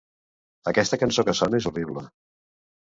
Aquesta cançó que sona és horrible.